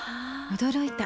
驚いた。